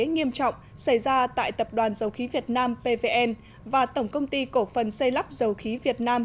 nghiêm trọng xảy ra tại tập đoàn dầu khí việt nam pvn và tổng công ty cổ phần xây lắp dầu khí việt nam